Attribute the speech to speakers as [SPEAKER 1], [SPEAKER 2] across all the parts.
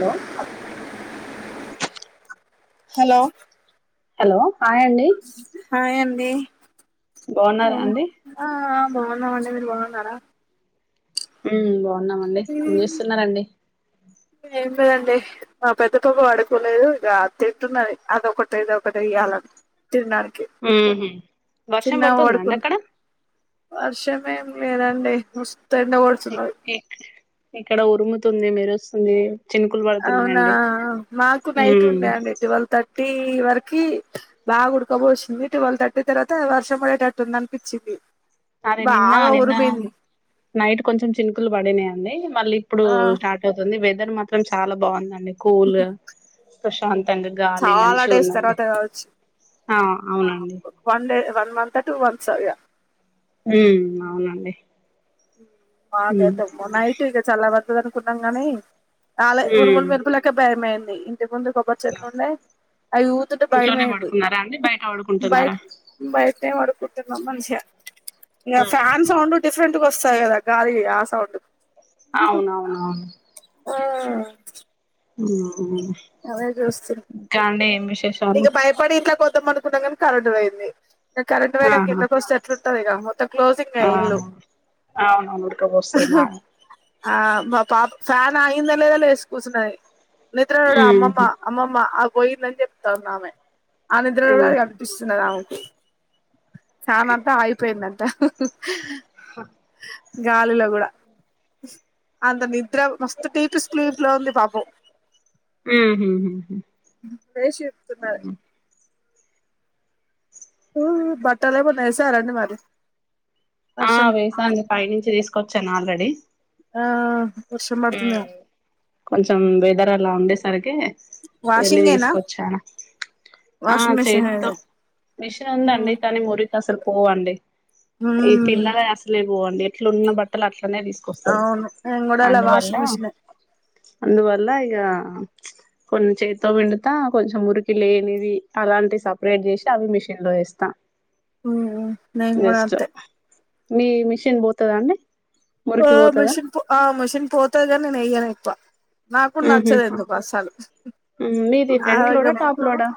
[SPEAKER 1] లో
[SPEAKER 2] hello
[SPEAKER 1] hello హాయండి
[SPEAKER 2] డి మ్మ్
[SPEAKER 1] అండి
[SPEAKER 2] ఆఆ బావున్నామండి మీరు బావున్నారా
[SPEAKER 1] మ్మ్ బావున్నామండి ఏం చూస్తున్నారండి
[SPEAKER 2] ఏం పేదండి మా పెద్ద పాప వడుకోలేదు గ తింటున్నది అద ఒకటి ఇద ఒకటి యలం తిండానికి
[SPEAKER 1] ఉహు వర్షం పడుతుందా అండి అక్కడ
[SPEAKER 2] వర్షమేమి లేదండి మోస్తూ ఎండ [unintelligible]
[SPEAKER 1] ఇక్కడ ఉరుముతుంది మెరుస్తుంది చినుకులు
[SPEAKER 2] అవునా
[SPEAKER 1] పడుతున్నాయండి
[SPEAKER 2] మాకు నైట్
[SPEAKER 1] ఉమ్
[SPEAKER 2] ఉండే అండి ట్వెల్వ్ థర్టీ వర కి బా ఉడకబోసిందిటి ట్వెల్ తర్టీ తర్వాత వర్షం పడేటట్టుంది అనిపించింది
[SPEAKER 1] అరే నిన్న
[SPEAKER 2] బాగా
[SPEAKER 1] నిన్న
[SPEAKER 2] ఉరిమింది
[SPEAKER 1] నైట్ కొంచెం చినుకులు పడినాయియండి మళ్ళీ ఇప్పుడు
[SPEAKER 2] ఆ
[SPEAKER 1] స్టార్ట్ అవుతుంది వె దరు మాత్రం చాలా బావుందండి కూల్గా ప్రశాంత
[SPEAKER 2] చాలా డేస్ తర్వాత కావచ్చు
[SPEAKER 1] ఆ
[SPEAKER 2] ఆ
[SPEAKER 1] అవునండి
[SPEAKER 2] one day one month two months ఇగా
[SPEAKER 1] మ్మ్ అవునండి ఉమ్
[SPEAKER 2] మగైతే మునైట్ ఇగ చల్ల బడతది అనుకున్నాం గానీ రాలే ఉరుములు
[SPEAKER 1] ఉమ్
[SPEAKER 2] మెరుపులకే భయమైంది ఇంటి ముందు కొబ్బరి చెట్లుండే అవి ఊతుటే
[SPEAKER 1] ఇంట్లోనే
[SPEAKER 2] భయమైంది
[SPEAKER 1] పడుకున్నారా అండి బయట
[SPEAKER 2] బయ
[SPEAKER 1] పడుకుంటున్నారా
[SPEAKER 2] బయటే మడుకు [unintelligible] ఇగ ఫ్యాన్ సౌండ్ డిఫరెంట్గా వస్తాయి కదా గాలి ఆ సౌండ్
[SPEAKER 1] అవునవునవును
[SPEAKER 2] ఆ అదే చూస్తు
[SPEAKER 1] ఇంకా అండి ఏం విశేషాలు
[SPEAKER 2] ఇంక భయపడి ఇట్లా కొ తం అనుకున్నాం కానీ కరెంట్ పోయింది కరెంట్ పోయినాక
[SPEAKER 1] ఆహా
[SPEAKER 2] కిందకొస్తే ఎట్లుంటదిగ మొత్తం త క్లోసింగే ఇల్లు
[SPEAKER 1] అవును అవునవును ఉడకపోస్తది
[SPEAKER 2] [unintelligible]
[SPEAKER 1] బాగా
[SPEAKER 2] ఆవు మా పాప ఫ్యాన్ అగిందో లేదో లేసి కూర్సునది నిడ్రకూడ అమ్మ
[SPEAKER 1] ఉహు
[SPEAKER 2] పా అమ్మమ్మ ఆ పోయిందని చెప్తా ఉన్న ఆమె ఆ నిద్రలో కూడా కనిపిస్తున్నది ఆమెకు చానంతా అయిపోయిందంట [unintelligible]
[SPEAKER 1] [unintelligible]
[SPEAKER 2] గాలిలో గుడా అంత నిద్ర మస్తు టీపి స్లీప్లో ఉంది పాపం
[SPEAKER 1] ఉహుహుహు
[SPEAKER 2] [unintelligible] చెప్తున్నారు [inaudible] బట్టలేమన్న ఏసారండి మరి
[SPEAKER 1] ఆ
[SPEAKER 2] వర్షం
[SPEAKER 1] వేసాండి పై నుంచి తీస్కొచ్చాను ఆల్రెడీ
[SPEAKER 2] ఆ వర్షం పడుతుందేమో
[SPEAKER 1] ఉమ్ కొంచెం వెదర్ అలా ఉండేసరికి వెళ్లి
[SPEAKER 2] వాషింగేనా
[SPEAKER 1] తీస్కొచ్చాను ఆ
[SPEAKER 2] వాషింగ్ మెషిన్
[SPEAKER 1] చేత్తో
[SPEAKER 2] వేసా
[SPEAKER 1] మిషన్ ఉందండి
[SPEAKER 2] ఉమ్
[SPEAKER 1] కానీ మురికసలు పోవండి ఈ పిల్లలై అసలే పోవండి ఎట్లున్న బట్టలట్ల నే తీసుకొస్తారు
[SPEAKER 2] ల వాషింగ్ మిషిన్
[SPEAKER 1] అందువల్ల ఇగా కొన్ని చేతో పిండుతా కొంచెం మురికి లేనివి అలాంటి సపరేట్ చేసి అవి మిషిన్ లో వేస్తా
[SPEAKER 2] ఊఉ నేను గూడ
[SPEAKER 1] జస్ట్
[SPEAKER 2] అంతే
[SPEAKER 1] మీ మిషన్ పోతుందా అండి
[SPEAKER 2] ఆ
[SPEAKER 1] మురికి పోతదా
[SPEAKER 2] మిషన్ పో ఆ మిషన్ పోతది గని నేనెయ్యన్ ఎక్కువ నాకు
[SPEAKER 1] ఉహు
[SPEAKER 2] నచ్చదు ఎందుకొ అస్సలు
[SPEAKER 1] మీది ఫ్రంట్ లోడా టాప్ లోడా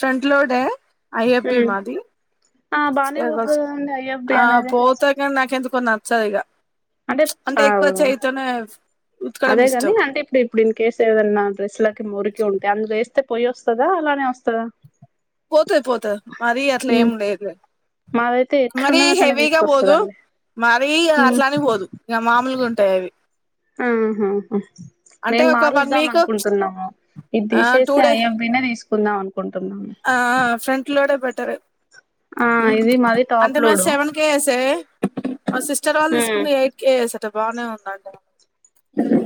[SPEAKER 2] ఫ్రెంట్లోడే ఐఎబి
[SPEAKER 1] ఉమ్
[SPEAKER 2] మాది
[SPEAKER 1] ఆ బానే పోతది కదండి ఐఎఫ్బి
[SPEAKER 2] ఆ
[SPEAKER 1] అనేది
[SPEAKER 2] పోతె కానీ నాకెందుకొ నచ్చదు ఇగ అంటే ఎక్కువ చేయితోనే ఉతకడం
[SPEAKER 1] అదె గని
[SPEAKER 2] ఇష్టం
[SPEAKER 1] అంటే ఇప్పుడు ఇప్పుడిన్కేస్ ఏదన్నా డ్రెస్లాకి మురి కిఉంటే అందులో వేస్తే పోయి వస్తదా అలానే వస్తదా
[SPEAKER 2] పోతది పోతది మరి అట్లా ఏం
[SPEAKER 1] ఉమ్
[SPEAKER 2] లేదులే
[SPEAKER 1] మాదైతే
[SPEAKER 2] మరి
[SPEAKER 1] ఎట్లున్నది అట్లనే
[SPEAKER 2] హెవీగా పోదు
[SPEAKER 1] తీసుకొస్తదండి
[SPEAKER 2] మరిీ
[SPEAKER 1] ఉమ్
[SPEAKER 2] అట్లానే పోదు ఇగ మామలుగు టయవి
[SPEAKER 1] ఉహుహు మేమ్
[SPEAKER 2] ఒక వన్
[SPEAKER 1] మారుద్దాం
[SPEAKER 2] వీక్
[SPEAKER 1] అనుకుంటున్నాము ఇది
[SPEAKER 2] ఆ టూ
[SPEAKER 1] తీసేసి
[SPEAKER 2] డే
[SPEAKER 1] ఐయబ్బినే తీసుకుందాం అను
[SPEAKER 2] ఆ ఆ ఫ్రంట్ లోడె బెటర్
[SPEAKER 1] ఆ ఇది మాది టాప్
[SPEAKER 2] అంటే మది
[SPEAKER 1] లోడు
[SPEAKER 2] సెవెన్ కేజసే మా సిస్టర్ వాళ్ళు తీసుకుంది ఎయిట్ కేజస్ ఆట బాగానే ఉంది అంట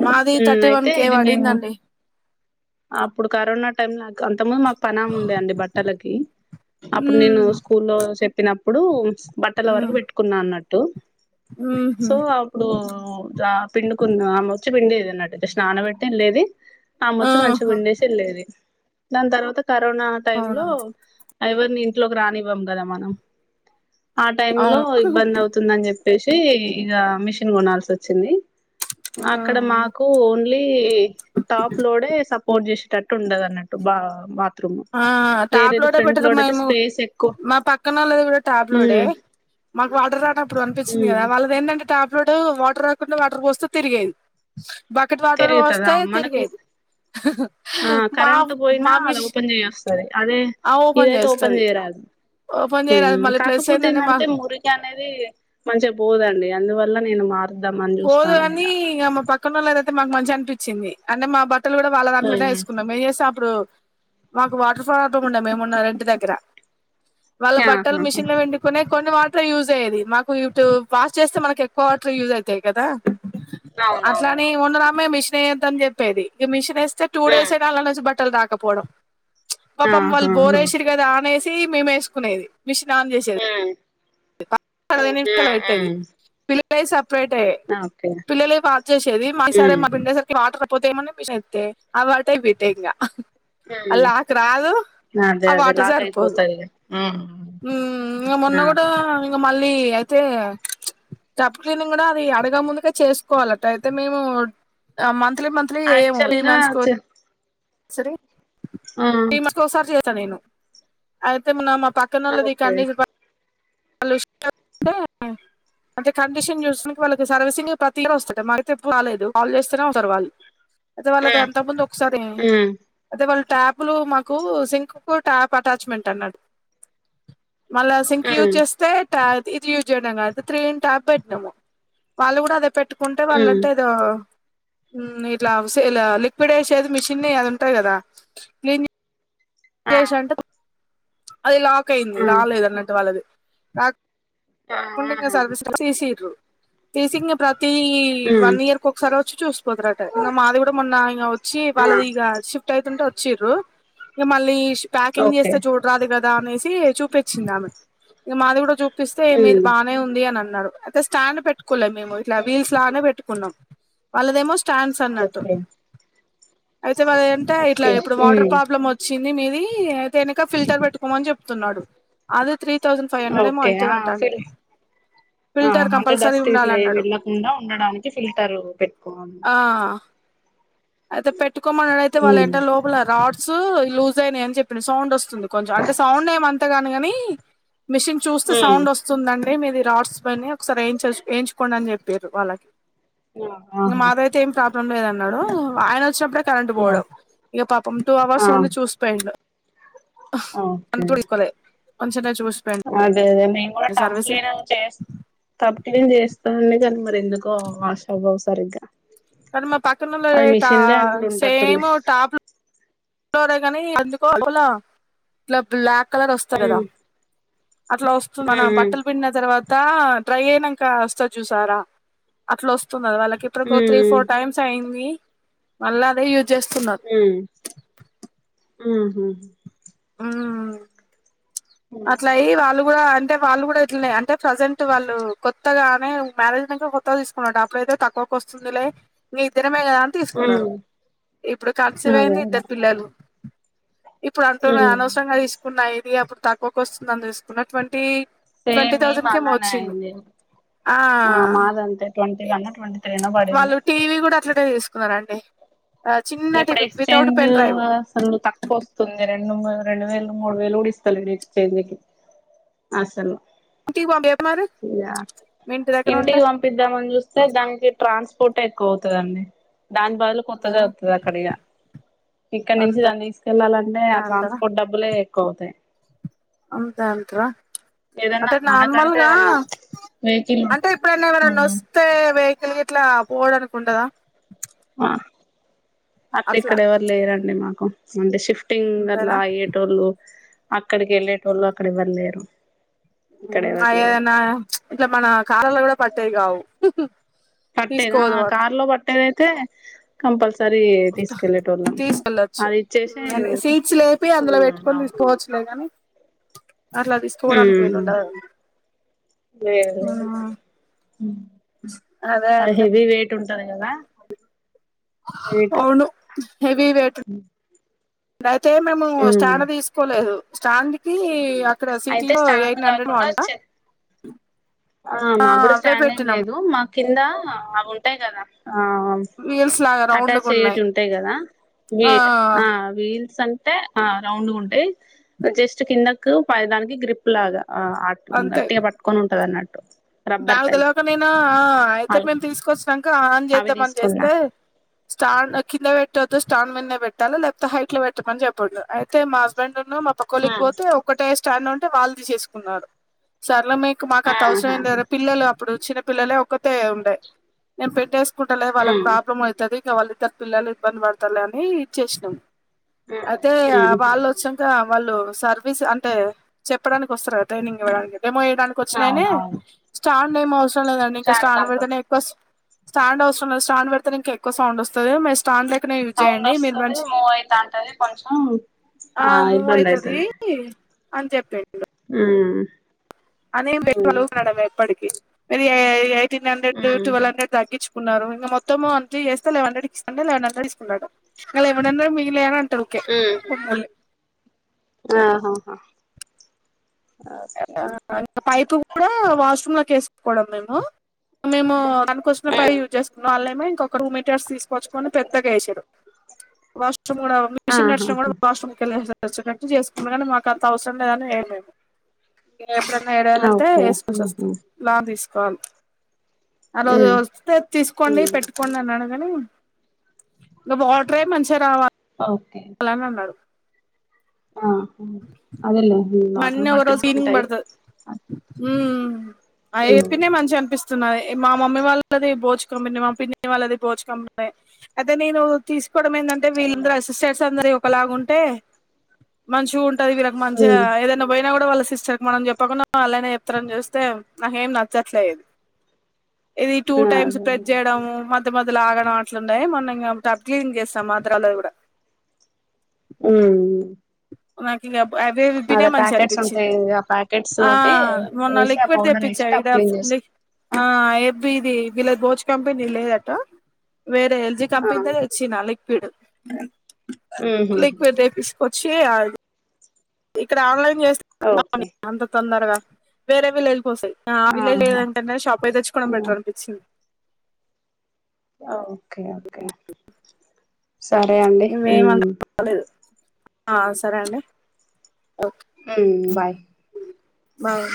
[SPEAKER 2] మాది
[SPEAKER 1] ఉమ్
[SPEAKER 2] థర్టీ వన్
[SPEAKER 1] అయితే
[SPEAKER 2] కే
[SPEAKER 1] ఇది మేము
[SPEAKER 2] పడిందండి
[SPEAKER 1] అప్పుడు కరోనా టైమ్ల అంత ముందు మాక్ పనామే ఉండే అండి బట్టలకి అప్పుడు నేను
[SPEAKER 2] ఉమ్
[SPEAKER 1] స్కూల్లో చెప్పినప్పుడు బట్టల వరకు
[SPEAKER 2] ఉమ్
[SPEAKER 1] పెట్టుకున్నా అన్నట్టు
[SPEAKER 2] ఉహు
[SPEAKER 1] సో అప్పుడు పిండుకున్న ఆ మచ్చి పిండేది అన్నట్టు జస్ట్ నానబెట్టి వెల్లేది అమచ్చి మంచిగా
[SPEAKER 2] ఆహా
[SPEAKER 1] పిండేసి ఎళ్ళేది దాని తర్వాత కరోనా టైమ్
[SPEAKER 2] అవునా
[SPEAKER 1] లో ఎవరిని ఇంట్లోకి రానివ్వం కదా మనం ఆ టైమ్లో
[SPEAKER 2] అవును
[SPEAKER 1] ఇబ్బంది అవుతుందని చెప్ చెప్పేషి ఇగ మిషన్ కొనాల్సి వచ్చింది అక్కడ మాకు ఓన్లీ టాప్ లోడే స చేసేటట్టు ఉండదన్నట్టు బా బా త్రూం
[SPEAKER 2] ఆ ఆ టాప్
[SPEAKER 1] వేరెది
[SPEAKER 2] లోడే
[SPEAKER 1] ఫ్రంట్ లో
[SPEAKER 2] పెట్టరు
[SPEAKER 1] అయితే
[SPEAKER 2] మేము
[SPEAKER 1] స్పేస్ ఎక్కువ
[SPEAKER 2] మా పక్కనోళ్ళది కూడా టాప్ లోడే
[SPEAKER 1] ఉమ్
[SPEAKER 2] మాకు వాటర్ రానప్పుడు అనిపిస్తుంది గదా వాళ్ళది ఏంటంటే టాప్ లోడ్ వాటర్ రాకున్నా వాటర్ పోస్తే తిరిగేది బకెట్ వాటర్
[SPEAKER 1] తిరుగుతుంది
[SPEAKER 2] పోస్తే
[SPEAKER 1] అవును మనకు
[SPEAKER 2] తిరిగేది మా మా మిషి
[SPEAKER 1] సరే అదే ఇదైతే ఓపన్ చేయరాదు
[SPEAKER 2] ఓపెన్ చేయరాదు
[SPEAKER 1] ఉమ్
[SPEAKER 2] మళ్ళీ ప్లస్
[SPEAKER 1] కాకపోతే
[SPEAKER 2] ఏంటంటే మా
[SPEAKER 1] ఏందంటే మురికి అనేది మంచిగా పోదండి అందువల్ల నేను మా
[SPEAKER 2] పోదు గని ఇగ మా పక్కనోళ్ళదైతే మాకు మంచిగ అనిపించింది అంటే మా బ ట్టలు కూడా వాళ్ళ దాంట్లోనే
[SPEAKER 1] మ్మ్
[SPEAKER 2] ఎసుకున్నాం ఎ స ప్పుడు మాకు వాటర్ ఫా బ్లమ్ ఉండె మేమున్న రెంట్ దగ్గర వాళ్ళ బట్టలు
[SPEAKER 1] ఆహాహా
[SPEAKER 2] మిషన్ లో పిండుకునే కొన్ని వాటర్ యూజ్ అయ్యేది మాకు ఇటు వాష్ చేస్తే మనకు ఎక్కువ వాటర్ యూజ్ అయితాయి కదా
[SPEAKER 1] అవునవును
[SPEAKER 2] అట్లాని ఓనరామే మిషన్ వేయొద్దని చెప్పేది ఇగ మిషన్ ఎస్తే టూ డేస్
[SPEAKER 1] మ్మ్
[SPEAKER 2] అయినా అళ్లనుంచి బట్ ట్టలు రాకపోవడం పాపం వాళ్ళు
[SPEAKER 1] ఆహాహా
[SPEAKER 2] బోరేసిర్రు కద ఆనేసి మేము ఎసుకునేది మిషిన్ ఆన్ చేసేది
[SPEAKER 1] మ్మ్
[SPEAKER 2] పది నిమిషాలు
[SPEAKER 1] మ్మ్
[SPEAKER 2] అయితది
[SPEAKER 1] మ్మ్
[SPEAKER 2] పిలి పిల్లలై సపరేట్ఏ
[SPEAKER 1] ఓకే
[SPEAKER 2] పిల్లలు వాచ్ చేసేది మా సారె
[SPEAKER 1] మ్మ్
[SPEAKER 2] మా పిండేసరికి వాటర్ పోతే ఏమన్న పిసస్తే అవి అటే ఇవి ఇటే ఇంక అల్ల
[SPEAKER 1] మ్మ్
[SPEAKER 2] ఆకు రాదు [unintelligible]
[SPEAKER 1] అదే
[SPEAKER 2] ఆ
[SPEAKER 1] అదే
[SPEAKER 2] వాటర్
[SPEAKER 1] లాక్
[SPEAKER 2] సరిపోదు
[SPEAKER 1] అయిపోతది ఇగ మ్మ్
[SPEAKER 2] ఊమ్ ఆ మొన్న కూడా
[SPEAKER 1] ఓకే
[SPEAKER 2] ఇంగ మళ్ళీ అయితే టబ్ క్లీనింగ్ కూడ అది అడగ ముందుకే చేసుకోవాలట అయితే మేము మంత్ మంత్లీ మంత్లీ ఏయము
[SPEAKER 1] యాక్చువల్
[SPEAKER 2] త్రీ
[SPEAKER 1] గా
[SPEAKER 2] మంత్స్ కోట్
[SPEAKER 1] చ
[SPEAKER 2] [inaudible] సరి
[SPEAKER 1] ఆ
[SPEAKER 2] త్రీ మంత్స్ ఒకసారి చేస్త నేను అయితే మ న పక్కనోళ్లది
[SPEAKER 1] ఓకే
[SPEAKER 2] కండిషన్ వాళ్ళ ఇష్టం తే అంటె కండిషన్ చూసడానికి వాళ్ళకి సర్వీసింగ్ ప్రతి ఇయర్ వస్తుంటరు మాకు అయితే ఎప్పుడు రాలేదు కాల్ చేస్తేనే వస్తరు వాళ్ళు అయితే వాళ్ళది
[SPEAKER 1] మ్మ్
[SPEAKER 2] ఎంతకు ముందు ఒకసారి
[SPEAKER 1] మ్మ్
[SPEAKER 2] అదే వాళ్ళు ట్యాప్లు మాకు సింక్ కు ట్యాప్ అటాచ్మెంట్ అన్నడు మల్ల సింక్ యూత్
[SPEAKER 1] మ్మ్
[SPEAKER 2] ట్యాప్ ఇది యూస్ చేయడం కాదు త్రీ ఇన్ టాప్ పెట్టినము వాళ్ళు కూడ అదే పెట్టుకు [inaudible] కుంటె
[SPEAKER 1] మ్మ్
[SPEAKER 2] వాళ్ళంటేదో ఉమ్ ఇట్లా సేల్ ఇ లిక్విడ్ ఏశేది మిషిన్ అది ఉంటది కదా క్లీన్
[SPEAKER 1] ఆ
[SPEAKER 2] చేశి అంట అది లాక్ అయింది
[SPEAKER 1] ఆ
[SPEAKER 2] రాలేదు అన్నట్టు వాళ్ళది రాక్
[SPEAKER 1] ఆ
[SPEAKER 2] ఉండంగ
[SPEAKER 1] ఆహాహా
[SPEAKER 2] సర్వస్ తీసిర్రు తీసింగ ప్రతీ ఈ
[SPEAKER 1] ఉమ్
[SPEAKER 2] వన్ ఇయర్క్ ఒకసారి వచ్చి చూసుపోతరట ఇంగ మాది కూడ మొన్న ఇంగ వచ్చి
[SPEAKER 1] ఆ
[SPEAKER 2] వాళ్ళది ఇగ షిఫ్ట్ అవుతుంటె వచ్ వచ్చిర్రు ఇంగ మళ్ళీ ప్యాకింగ్
[SPEAKER 1] ఓకే
[SPEAKER 2] చేస్తే చూడరాదు కదా అనేసి చూపించింది ఆమె ఇంగ మాది కూడ చూపిస్తే మీది
[SPEAKER 1] ఉమ్
[SPEAKER 2] బానే ఉంది అని అ అన్నడు అయితే స్టాండ్ పెట్టుకోలే మేము ఇట్ల వీల్స్ లాగనె పెట్టుకున్నం వాళ్ళదేమో స్టాండ్స్అన్నట్టు
[SPEAKER 1] ఓకే
[SPEAKER 2] అయితె వాళ ఏంటే ఇట్ల
[SPEAKER 1] ఓకే
[SPEAKER 2] ఇప్పుడు వాటర్
[SPEAKER 1] ఉమ్
[SPEAKER 2] ప్రాబ్లం ఒచ్చి కిందియి మీదియి అయితే ఎనుక ఫిల్టర్ పెట్టుకోమని చెప్తున్నడు అది three three thousand five hundred ఏమో
[SPEAKER 1] ఓకే
[SPEAKER 2] అయితది
[SPEAKER 1] ఆ
[SPEAKER 2] అంట
[SPEAKER 1] ఫిల్ ఆ అంటె డస్ట్ ఇట్లా వెళ్ళకుండ ఉండడానికి ఫిల్టర్ పెట్టుకోవాలి
[SPEAKER 2] ఆ అయితే పెట్టుకోమన్నాడ అయితే వాళ్ళ
[SPEAKER 1] ఉమ్
[SPEAKER 2] ఏంట లోపల రాట్స్ లూజ్ అయినాయి అని చెప్పింది సౌండ్ ఒస్ వస్తుంది కొంచెం అంటె సౌండ్ ఏమంతగాదు గాని మిషిన్ చూస్తే
[SPEAKER 1] ఉమ్
[SPEAKER 2] సౌండ్ వస్తుందండి అంటే మీది ఈ రాట్స్ పోయినయి ఒకసారి ఏంచ్ ఎయించుకోండి అని చెప్పిర్రు వాళ్ళకి
[SPEAKER 1] ఆ
[SPEAKER 2] ఇగ
[SPEAKER 1] ఆహా
[SPEAKER 2] మాది అయితే ఏం ప్రాబ్లం లేదన్నడు ఆయన ఒచ్చినప్పుడే కరంట్
[SPEAKER 1] ఆ
[SPEAKER 2] పోవడం ఇగ పాపం టూ అవర్స్ ఉండి
[SPEAKER 1] ఆ
[SPEAKER 2] చూసిపోయిండు హ్
[SPEAKER 1] ఓకే
[SPEAKER 2] అందుకూడ ఇప్పలే కొంచం [unintelligible]
[SPEAKER 1] అదే అదే మేము కూడ టబ్ క్లీన్ చేస్ టబ్ క్లీన్ చేస్త నిజంగ ఎందుకో ఆషాభావు సరిగ్గ
[SPEAKER 2] కని మా పక్కనోల్లలై ట
[SPEAKER 1] అట్లు ఉంటట్టుంది
[SPEAKER 2] సేమ్ టాప్ లో డ గనీ ఎందుకో అలా ఇట్ల బ్లాక్ కలర్ వస్త కద
[SPEAKER 1] ఉమ్
[SPEAKER 2] [inaudible] అట్ల ఒస్తుందనా
[SPEAKER 1] ఉమ్
[SPEAKER 2] బట్టలు పిండిన తర్వాత అ డ్రై అయినంక అస్తది చూసార అట్ల ఒస్ వాళ్ళకి ఇప్పుడు పో
[SPEAKER 1] ఉమ్
[SPEAKER 2] త్రీ ఫోర్ టైమ్స్ అయింది మళ్ళ అదే యూజ్ చేస్తున్నరు
[SPEAKER 1] ఉహు హు
[SPEAKER 2] ఉమ్మ్
[SPEAKER 1] ఉమ్
[SPEAKER 2] అట్లయి వాళ్ళు కూడ అంటె వాళ్ళు కూడ ఇట్లనే అంటే ప్రజెంట్ వాళ్ళు కొత్తగానే మ్యారేజ్ ఇనంక కొత్తగ తీసుకున్నడట అప్పుడైతే తక్కువకు వస్తుందిలే మీ ఇద్ద మేళా కదా అని తీసుకున్నారు ఇప్పుడు
[SPEAKER 1] అదే
[SPEAKER 2] ఖర్సివయింది
[SPEAKER 1] అదే
[SPEAKER 2] ఇద్దరు పిల్లలు ఇప్పుడు అంటున్నా అనవసరంగా తీసుకున్నా ఇది అప్పుడు తక్కువకు వస్తుంద అని తీసుకున్నటువంటి ట్వంటీ
[SPEAKER 1] సేమ్ మేము
[SPEAKER 2] థౌజండ్ కి ఏమో
[SPEAKER 1] అలానే
[SPEAKER 2] ఓచింది
[SPEAKER 1] అయింది
[SPEAKER 2] ఆ
[SPEAKER 1] మాదంతే ట్వంటీ వన్ ట్వంటీ త్రీ నో పడింది
[SPEAKER 2] వాళ్ళు టీవీ కూడా ఇక్కడే తీసుకున్నారండి చిన్న
[SPEAKER 1] ఇప్పుడు
[SPEAKER 2] TV without
[SPEAKER 1] exchange
[SPEAKER 2] pen drive
[SPEAKER 1] అసలు తక్కువ వస్తుంది రండి రెడు రెండు వేలు మూడు వేలు కూడా ఇస్తాలె ఎక్స్చేంజ్ కి అసలు
[SPEAKER 2] ఇంటికి పంపి మరి
[SPEAKER 1] ఇయా
[SPEAKER 2] మీ ఇంటి దగ్గర ఉంటే
[SPEAKER 1] ఇంటికి పంపిద్దామని చూస్తే దానికి ట్రాన్స్పోర్ట్ ఎక్కువ అవుతుందండి దాని బదులు కొత్తగా అ ఇక్కడ నుంచి
[SPEAKER 2] అంతే
[SPEAKER 1] దాన్ని తీసుకెళ్ళాలంటే ఆ
[SPEAKER 2] అంటారా
[SPEAKER 1] ట్రాన్స్పోర్ట్ డబ్బులు ఇంకా ఎక్కువైతాయి
[SPEAKER 2] అంతే అంటారా అంటే
[SPEAKER 1] మనకంటే
[SPEAKER 2] నార్మల్గా
[SPEAKER 1] ఏమన్నా వెహికల్
[SPEAKER 2] అంటే ఇప్పుడైనా ఎవరన్న
[SPEAKER 1] ఉం
[SPEAKER 2] వస్తే వే గీట్లా పోవడానికి ఉండదా
[SPEAKER 1] అట్లా ఇక్కడ ఎవరు లేరండి మాకు అంటే షిఫ్టింగ్ అట్లా
[SPEAKER 2] అంతేనా
[SPEAKER 1] అయ్యేటోళ్ళు అక్కడికి వెళ్ళేటోళ్ళు అక్కడ ఎవ్వర్లేరు
[SPEAKER 2] ఏదనా ఇట్లా మన కాలలో కూడా పట్టేవి కావు
[SPEAKER 1] పట్టేదా
[SPEAKER 2] తీసుకోదు
[SPEAKER 1] కార్ లో పట్టేదయితే కంపల్సర సరి తీసుకెళ్ళేతోళ్ళం
[SPEAKER 2] తీసుకెళ్ళచ్చు
[SPEAKER 1] అది ఇచ్చేసి వు
[SPEAKER 2] సీట్స్ లేపి అందులో
[SPEAKER 1] అవును
[SPEAKER 2] పెట్టుకొని తీసుకోవచ్చులే కాని అట్లా అది ఇసుకోవడానికి
[SPEAKER 1] ఉమ్
[SPEAKER 2] వీలుుండదు
[SPEAKER 1] లేదు
[SPEAKER 2] అదే
[SPEAKER 1] ఆ
[SPEAKER 2] అండి
[SPEAKER 1] హెవి వేట్ తుంటది కదా వెయిట్
[SPEAKER 2] అవును హెవీ వేట్ ద ఐతే మేము
[SPEAKER 1] ఉమ్
[SPEAKER 2] స్టాండ్ తీసుకోలేదు స్టాండ్ కి ఇక్కడ సిటీ
[SPEAKER 1] అయితే
[SPEAKER 2] లో
[SPEAKER 1] స్టాండ్
[SPEAKER 2] ఎయిట్ హండ్రెడ్
[SPEAKER 1] కాకుండా
[SPEAKER 2] బగుంటా
[SPEAKER 1] చె ఆ మాకు కూడా స్టాండ్ ఏం లేదు మా కింద అవుంటాయి కదా ఆ
[SPEAKER 2] వీల్స్ లాగా
[SPEAKER 1] అటాచ్
[SPEAKER 2] రౌండ్గా ఉన్నాయి
[SPEAKER 1] అయ్యేటివి ఉంటాయి కదా వ
[SPEAKER 2] ఆ
[SPEAKER 1] వీల్స్ అం టే ఆ రౌండ్ ఉంటే జస్ట్ కిందకి పై దానికి గ్రిప్ లాగా ఆ అ గట్టిగా పట్టుకొని ఉంటంది అన్నట్టు రబ్బర్
[SPEAKER 2] బ్యాగు
[SPEAKER 1] టైప్
[SPEAKER 2] తెలివక నేనా
[SPEAKER 1] అ
[SPEAKER 2] అయితే మేము తీసుకొచ్చాక ఆన్
[SPEAKER 1] అవి
[SPEAKER 2] చేద్దామని
[SPEAKER 1] తీసుకున్నా
[SPEAKER 2] చేస్తే స్టాండ్ కింద పెట్టొద్దు స్టాండ్ మింద నే పెట్టాలా లేకపోతే హైట్ లో పెట్టమని చెప్పొద్దు అయితే మా హస్బెండ్ మా
[SPEAKER 1] ఆ
[SPEAKER 2] పక్కలోకి ఒకటే స్టాండ్ ఉంటే వాళ్ళు తీసేసుకున్నారు సార్ లో మీకు మాకు అంత అవసరం
[SPEAKER 1] ఆహా
[SPEAKER 2] ఏంది కదా పిల్లలు అప్పుడు చిన్న పిల్లలే ఒక్కతే ఉండే నేను పెట్టే అకుంటలే
[SPEAKER 1] ఉమ్
[SPEAKER 2] వాళ్ళకి
[SPEAKER 1] ఉమ్
[SPEAKER 2] ప్రాబ్లం అవుతుంది ఇక వాళ్ళ ఇద్దరు పిల్లలు ఇబ్బంది పడతారు అని ఇచ్చేసినాం అయితే ఆ
[SPEAKER 1] ఉమ్
[SPEAKER 2] వాళ్ళు వచ్చాక వాళ్ళు సర్వీస్ అంటే చెప్పడానికి వస్తారు ట్రైనింగ్ ఇవ్వడానికి ఏమోయడానికి
[SPEAKER 1] అవును
[SPEAKER 2] వచ్చినాయని
[SPEAKER 1] అవును
[SPEAKER 2] స్టాండ్ ఏమో అవసరం లేదండి ఇంకా
[SPEAKER 1] స్టార్ట్
[SPEAKER 2] స్టాండ్ పెడితేనే
[SPEAKER 1] కంపల్సరీ
[SPEAKER 2] ఎక్కువ స్టాండ్ అవసరం లేదు స్టండ్ పెడితే ఇంకా ఎక్కువ సౌండ్ వస్తుంది మె
[SPEAKER 1] సౌండ్ వస్తది మూవ్ అయితా ఉంటది కొంచెం
[SPEAKER 2] ఆ మూవ్ అయితది అని చెప్పిండు
[SPEAKER 1] ఉ
[SPEAKER 2] అని పలువుకున్నాడు ఎప్పటికిీ ఎయిటీన్ హండ్రెడ్ ట్వెల్వ్ హండ్రెడ్ తగ్గించు న్నారు ఇక మొత్తము అచ్చి చేస్త లెవన్ హండ్రెడ్ లెవన్ హండ్రెడ్ ఇసున్నాడుెన్ లెవన్ హండ్రెడ్ లేవంటే ఓకే ఉంటా
[SPEAKER 1] ఆహాహా ఓకే
[SPEAKER 2] పైపు కూడా వాష్రూమ్ లోకి వేసుకోవడం మేము మేము తనకోసమే పైన పై యూజ్ చేసుకున్నాం వాళ్ళ ఏమో ఇంకొక రూ మీటర్స్ తీసుకొచ్చుకొని పెద్దగా వేసిరు వాష్రూమ్ కూడా మిషన్
[SPEAKER 1] ఆహా
[SPEAKER 2] నడిచిన కూడా వాష్రూమ్ కెళ్ళే స వచ్చినట్టు చేసుకుం కానీ మాకు అంత అవసరం లేదని ఏం మేము ఎప్పుడైన్నా ఎడాన్న వెళ్తే
[SPEAKER 1] ఓకే
[SPEAKER 2] వేసుకోవాల్సి వస్తంది లాంగ్ తీసుకోవాలి ఆ రోజు వస్తే తీసుకోండి పెట్టుకోండి అన్నాడు కాని ఇగ వాటరే మంచిగా రావా
[SPEAKER 1] ఓకే ఆహా అదేలే వాటర్ బట్టి
[SPEAKER 2] మానెవరో
[SPEAKER 1] కూడా
[SPEAKER 2] సీనింగ్
[SPEAKER 1] ఉంటాయి
[SPEAKER 2] బడత హ్మ్మ్ ఆయన
[SPEAKER 1] ఉమ్,
[SPEAKER 2] చెప్పినె మంచిగా అనిపిస్తు స్తునది మా మమ్మీ వాళ్ళది భోజు కంపెనీ మా పిన్ని వాళ్ళది భోజు కంపెనీ నే అయితే నేను తీస్ కోవడం ఏంటంటే వీళ్ళందరు
[SPEAKER 1] అదే
[SPEAKER 2] అసిస్టెంట్స్ అందరి ఒకలాగా ఉంటే మంచిగా ఉం టై వీళ్ళకి మంచిగా ఏదైనా పోయినా కూడా వాళ్ళ సిస్టర్ కి మనం చెప్పకుండా అలానే చెప్తారని చూస్తే నాకేం నచ్చట్లే ఇది ఇది టూ టైమ్స్ ప్రెస్ చేయడము మధ్య మ్య లాగడం అట్లూనై మనం ఇం క్లీన్ చేస్తాం ఆధ్రాలో కూడా
[SPEAKER 1] ఉ
[SPEAKER 2] నాకిగా అవి ఉతినే మంచి
[SPEAKER 1] ప్యాకెట్స్
[SPEAKER 2] అనిపించింది
[SPEAKER 1] ఉంటాయి ఆ ప్యాకెట్స్
[SPEAKER 2] ఆ
[SPEAKER 1] తోటి
[SPEAKER 2] మొన్న
[SPEAKER 1] వేసి ఆ
[SPEAKER 2] లిక్విడ్
[SPEAKER 1] పౌడర్ వేసి
[SPEAKER 2] తెప్పించా
[SPEAKER 1] టప్
[SPEAKER 2] ఇద
[SPEAKER 1] క్లీన్
[SPEAKER 2] ఫుల్లీ
[SPEAKER 1] చేస్తా
[SPEAKER 2] ఆ ఎబ్బయిది వీళ్ళకి భోజ్ కంపెనీ లేదటా వేరే ఎల్జీ
[SPEAKER 1] ఆ,
[SPEAKER 2] కంపెనీ త తెచ్చిన లిక్విడ్
[SPEAKER 1] ఉహుం,
[SPEAKER 2] లిక్విడ్ తెపీస్కొచ్చి ఇక్కడ ఆన్లైన్
[SPEAKER 1] ఓకే
[SPEAKER 2] అంత తొందరగా వేరేవి వెళ్ళిపోసాయ్ ఆ విలే
[SPEAKER 1] ఆహా
[SPEAKER 2] లేదంటంటే షాప్ అయి తెచ్చుకోవడం
[SPEAKER 1] ఆ,
[SPEAKER 2] బెటరు అనిపించింది
[SPEAKER 1] ఆ ఓకే ఓకే సరే అండి
[SPEAKER 2] మేమేమంత లేదు ఆ సరే అండి ఓకే
[SPEAKER 1] హ్మ్ బాయ్
[SPEAKER 2] బాయ్